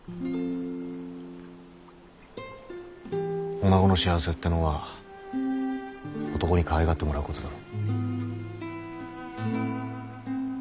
おなごの幸せってのは男にかわいがってもらうことだろ。